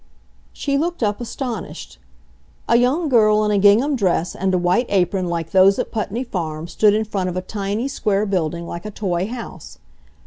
She looked up astonished. A young girl in a gingham dress and a white apron like those at Putney Farm stood in front of a tiny, square building, like a toy house.